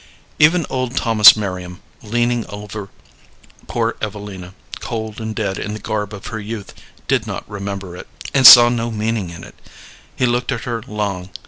Even old Thomas Merriam, leaning over poor Evelina, cold and dead in the garb of her youth, did not remember it, and saw no meaning in it. He looked at her long.